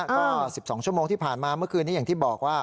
ก็๑๒ชั่วโมงที่ผ่านมาเมื่อคืนนี้อย่างที่บอกว่า